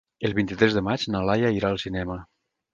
El vint-i-tres de maig na Laia irà al cinema.